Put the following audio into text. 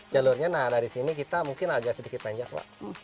jalurnya dari sini kita mungkin agak sedikit panjang pak